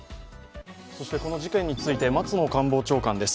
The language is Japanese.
この事件について松野官房長官です。